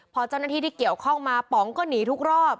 พอเจ้าหน้าที่ที่เกี่ยวข้องมาป๋องก็หนีทุกรอบ